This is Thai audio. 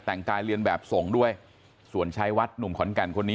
แต่งกายเรียนแบบสงฆ์ด้วยส่วนชายวัดหนุ่มขอนแก่นคนนี้